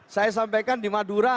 saya sampaikan di madura